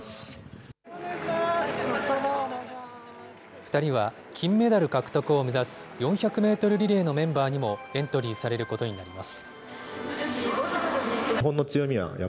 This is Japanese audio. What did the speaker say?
２人は、金メダル獲得を目指す、４００メートルリレーのメンバーにもエントリーされることになっています。